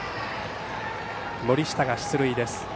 森下が出塁です。